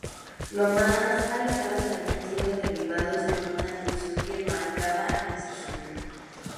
Los más alejados habían sido derribados en una dirección que marcaba ese centro.